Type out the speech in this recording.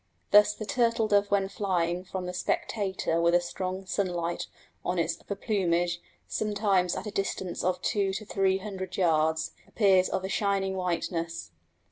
Thus the turtle dove when flying from the spectator with a strong sunlight on its upper plumage, sometimes at a distance of two to three hundred yards, appears of a shining whiteness.